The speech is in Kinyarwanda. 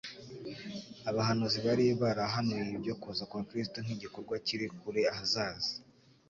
Abahanuzi bari barahanuye ibyo kuza kwa Kristo nk'igikorwa kiri kure ahazaza